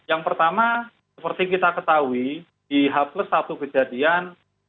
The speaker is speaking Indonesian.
yang pertama seperti kita ketahui di h satu kejadian